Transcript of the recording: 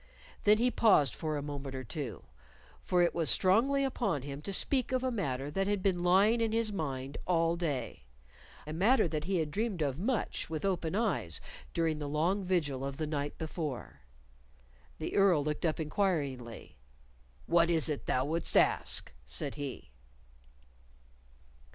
Then he paused for a moment or two, for it was strongly upon him to speak of a matter that had been lying in his mind all day a matter that he had dreamed of much with open eyes during the long vigil of the night before. The Earl looked up inquiringly. "What is it thou wouldst ask?" said he.